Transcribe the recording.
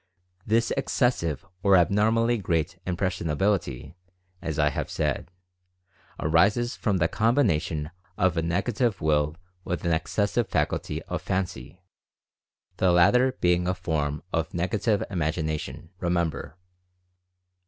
This excessive, or abnormally great, impressionability, as I have said, arises from the combination of a Negative Will with an excessive faculty of Fancy, the latter being a form 132 Mental Fascination of Negative Imagination, remember.